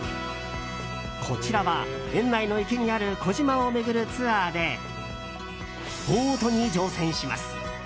こちらは園内の池にある小島を巡るツアーでボートに乗船します。